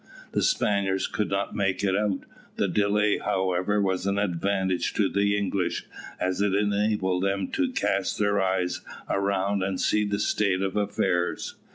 The Spaniards could not make it out. The delay, however, was an advantage to the English, as it enabled them to cast their eyes around and see the state of affairs.